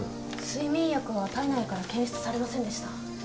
睡眠薬は体内から検出されませんでした。